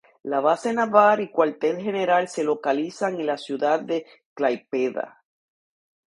La base naval y cuartel general se localizan en la ciudad de Klaipėda.